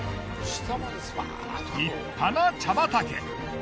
立派な茶畑。